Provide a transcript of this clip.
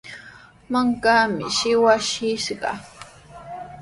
Mankami shikwaskishqa.